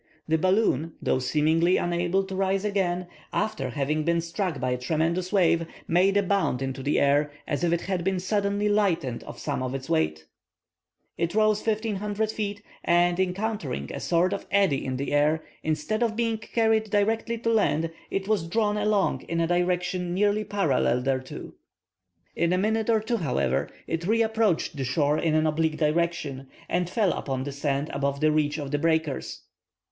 The balloon, though seemingly unable to rise again, after having been struck by a tremendous wave, made a bound into the air, as if it had been suddenly lightened of some of its weight. It rose 1,500 feet, and encountering a sort of eddy in the air, instead of being carried directly to land, it was drawn along in a direction nearly parallel thereto. In a minute or two, however, it reapproached the shore in an oblique direction, and fell upon the sand above the reach of the breakers.